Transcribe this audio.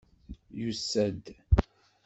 Yusa-d!